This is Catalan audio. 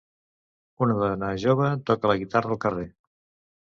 Una dona jove toca la guitarra al carrer